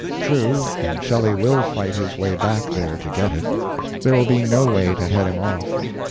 True, and Shelley will fight his way back there to get it there will be no way to head him off.